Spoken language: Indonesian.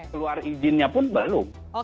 keluar izinnya pun belum